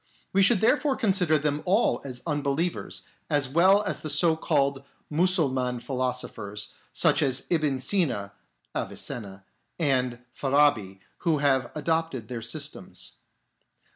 We should therefore consider them all as unbelievers, as well as the so called Mussulman philosophers, such as Ibn Sina (Avicenna) and Farabi, who have adopted their systems.